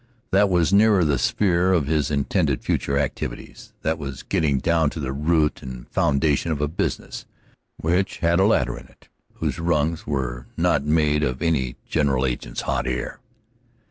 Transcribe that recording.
That was nearer the sphere of his intended future activities; that was getting down to the root and foundation of a business which had a ladder in it whose rungs were not made of any general agent's hot air.